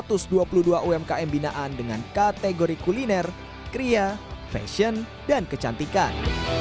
satu ratus dua puluh dua umkm binaan dengan kategori kuliner kria fashion dan kecantikan